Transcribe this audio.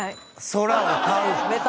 空を買う。